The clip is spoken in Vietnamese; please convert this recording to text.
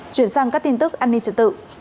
chuyển sang các tin tức an ninh trật tự